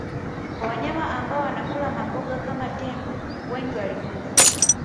kwa wanyama ambao wanakula maboga kama tembo wengi walikufa